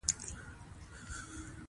لمسی دزوی زوی